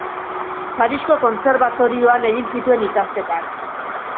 Parisko kontserbatorioan egin zituen ikasketak.